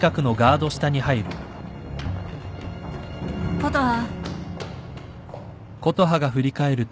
・琴葉。